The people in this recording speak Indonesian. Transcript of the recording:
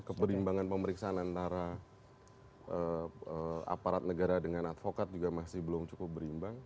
keberimbangan pemeriksaan antara aparat negara dengan advokat juga masih belum cukup berimbang